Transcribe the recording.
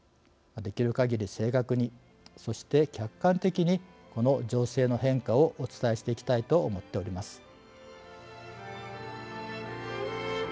できるかぎり正確にそして客観的にこの情勢の変化をお伝えしていきたいと思っております。